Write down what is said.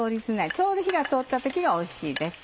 ちょうど火が通った時がおいしいです。